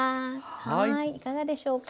はいいかがでしょうか？